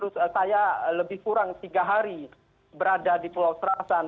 saya lebih kurang tiga hari berada di pulau serasan